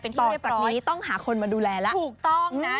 ที่เรียกจากนี้ต้องหาคนมาดูแลแล้วถูกต้องนะ